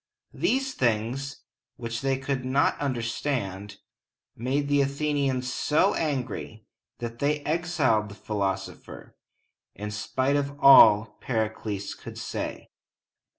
These things, which they could not understand, made the Athenians so angry that they exiled the philosopher, in spite of all Pericles could say.